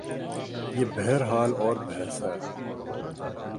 یہ بہرحال اور بحث ہے۔